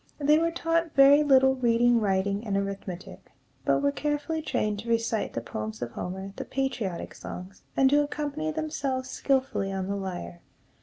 They were taught very little reading, writing, and arithmetic, but were carefully trained to recite the poems of Homer, the patriotic songs, and to accompany themselves skillfully on the lyre.